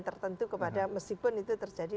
tertentu kepada meskipun itu terjadi